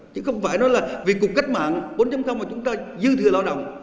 chứ không phải nói là vì cuộc cách mạng bốn mà chúng ta dư thừa lao động